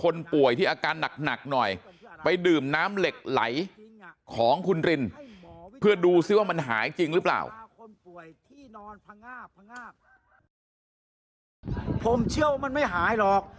คนป่วยที่นอนพังอาบพังอาบผมเชื่อว่ามันไม่หายหรอก